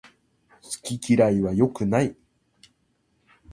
好き嫌いは良くない